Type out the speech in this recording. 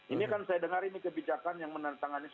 ini kan saya dengar ini kebijakan yang menandatangani